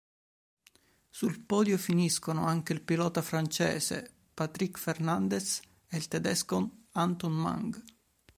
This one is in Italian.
Sul podio finiscono anche il pilota francese Patrick Fernandez e il tedesco Anton Mang.